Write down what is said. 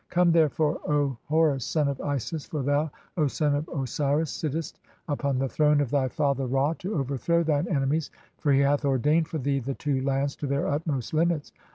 Come, therefore, "O Horus, son of Isis, for thou, O son of Osiris, sittest upon "the throne of thy (3) father Ra to overthrow thine enemies, "for he hath ordained for thee the two lands to their utmost "limits.